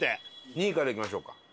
２位からいきましょうか。